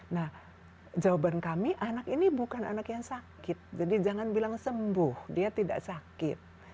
nah jawaban kami anak ini bukan anak yang sakit jadi jangan bilang sembuh dia tidak sakit